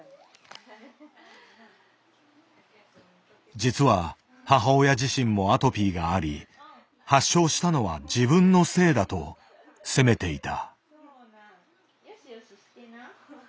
実は母親自身もアトピーがあり発症したのは「自分のせい」だと責めていた。